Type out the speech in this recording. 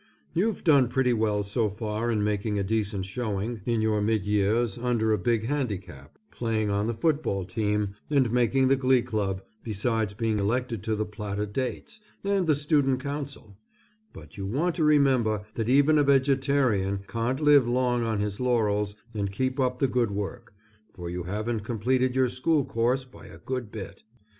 You've done pretty well so far in making a decent showing in your mid years under a big handicap, playing on the football team, and making the glee club, besides being elected to the Plata Dates and the student council, but you want to remember that even a vegetarian can't live long on his laurels and keep up the good work, for you haven't completed your school course by a good bit.